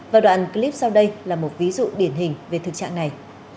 và đoạn clip sau đây là một ví dụ điển hình về thực trạng này